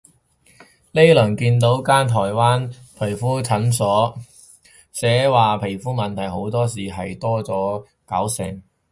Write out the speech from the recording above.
呢輪見到間台灣皮膚科診所，寫話皮膚問題好多時係做多咗搞成